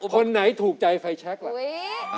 คนไหนถูกใจไฟแชคล่ะ